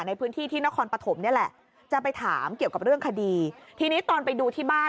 ในพื้นที่ที่นครปฐมนี่แหละจะไปถามเกี่ยวกับเรื่องคดีทีนี้ตอนไปดูที่บ้าน